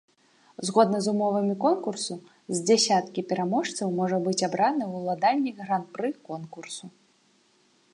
Згодна з умовамі конкурсу, з дзясяткі пераможцаў можа быць абраны уладальнік гран-пры конкурсу.